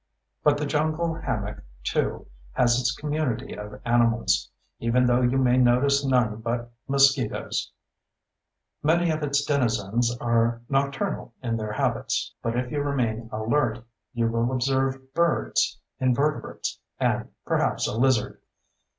But the jungle hammock, too, has its community of animals—even though you may notice none but mosquitoes. Many of its denizens are nocturnal in their habits, but if you remain alert you will observe birds, invertebrates, and perhaps a lizard.